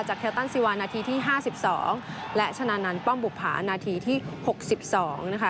จากแคลตันสิวานาทีที่๕๒และชนะนันป้อมบุกผานาทีที่๖๒นะคะ